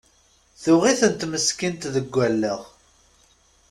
Tuɣ-itent meskint deg allaɣ!